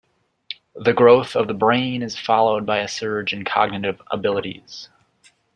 The growth of the brain is followed by a surge in cognitive abilities.